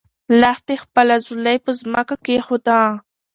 لښتې خپله ځولۍ په ځمکه کېښوده.